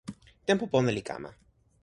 tenpo pona li kama.